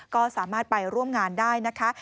ก็สามารถไปร่วมงานได้นะคะ